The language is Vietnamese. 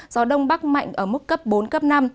gió đông bắc mạnh ở mức cấp bốn cấp năm